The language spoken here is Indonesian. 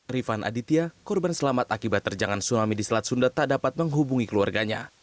rifan aditya korban selamat akibat terjangan tsunami di selat sunda tak dapat menghubungi keluarganya